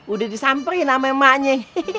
udah disamperin ama emaknya